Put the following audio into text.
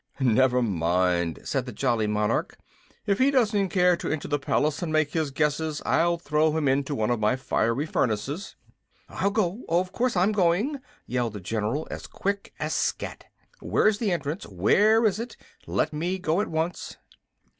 "Never mind," said the jolly monarch. "If he doesn't care to enter the palace and make his guesses I'll throw him into one of my fiery furnaces." "I'll go! of course I'm going," yelled the general, as quick as scat. "Where is the entrance where is it? Let me go at once!"